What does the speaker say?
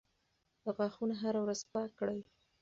غاښونه هره ورځ پاک کړئ.